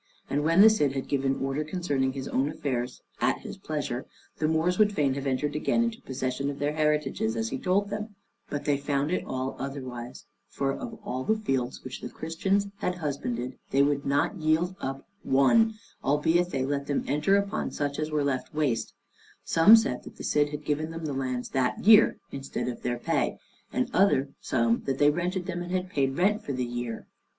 And when the Cid had given order concerning his own affairs at his pleasure, the Moors would fain have entered again into possession of their heritages as he told them; but they found it all otherwise, for of all the fields which the Christians had husbanded, they would not yield up one; albeit they let them enter upon such as were left waste: some said that the Cid had given them the lands that year, instead of their pay, and other some that they rented them and had paid rent for the year.